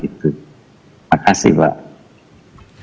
kita bisa menghasilkan hal itu